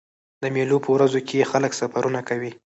د مېلو په ورځو کښي خلک سفرونه کوي.